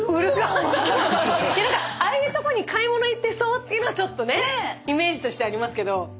何かああいうとこに買い物行ってそうっていうのはイメージとしてはありますけど。